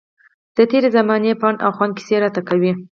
د تېرې زمانې پند او خوند کیسې راته کوي.